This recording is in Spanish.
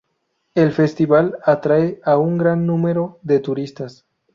El festival atrae a un gran número de turistas.